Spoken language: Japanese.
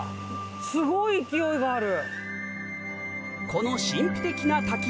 すごい勢いがある。